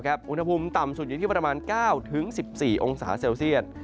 อุณหภูมิต่ำสุดอยู่ที่ประมาณ๙๑๔องศาเซลเซียต